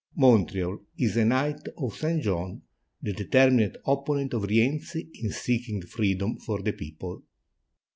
"Mon treal" is a Knight of St. John, the determined opponent of Rienzi in seeking freedom for the people.